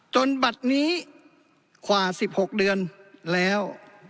บัตรนี้กว่า๑๖เดือนแล้ว